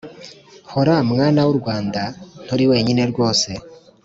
hora mwana w’u rwanda nturi wenyine rwose